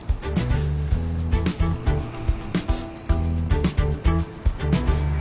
うん。